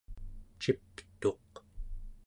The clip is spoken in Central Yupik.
ciptuq